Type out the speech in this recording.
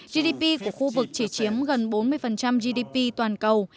gdp của khu vực chỉ chiếm gần bốn mươi gdp toàn cầu